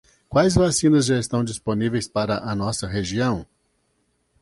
Quais vacinas já estão disponíveis para a nossa região?